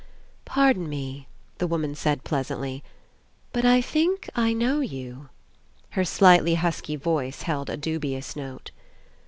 "Pardon me," the woman said pleas antly, *'but I think I know you." Her slightly husky voice held a dubious note.